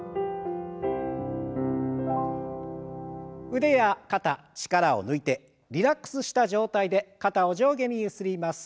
腕や肩力を抜いてリラックスした状態で肩を上下にゆすります。